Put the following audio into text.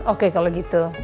oke kalau gitu